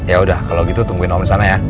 yaudah kalau gitu tungguin om disana ya